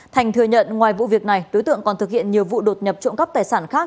thành thừa nhận ngoài vụ việc này đối tượng còn thực hiện nhiều vụ đột nhập trộm cắp tài sản khác